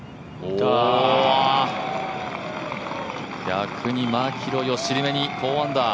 逆にマキロイを尻目に４アンダー。